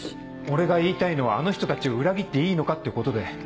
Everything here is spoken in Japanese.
俺が言いたいのはあの人たちを裏切っていいのかってことで。